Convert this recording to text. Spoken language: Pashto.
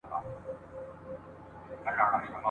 چي د قلم د زیندۍ شرنګ دي له پېزوانه نه ځي ..